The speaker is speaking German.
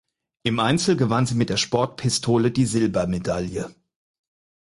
Im Einzel gewann sie mit der Sportpistole die Silbermedaille.